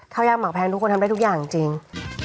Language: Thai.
ข้าวย่างหมากแพงทุกคนทำได้ทุกอย่างจริง